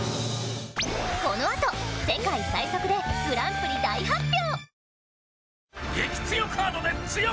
このあと世界最速でグランプリ大発表。